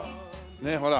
ねえほら。